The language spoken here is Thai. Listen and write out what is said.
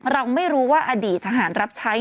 เราไม่รู้ว่าอดีตทหารรับใช้